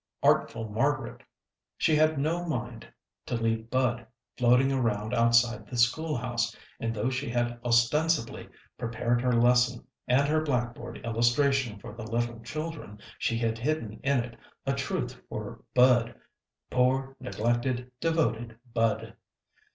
Artful Margaret! She had no mind to leave Bud floating around outside the school house, and though she had ostensibly prepared her lesson and her blackboard illustration for the little children, she had hidden in it a truth for Bud poor, neglected, devoted Bud!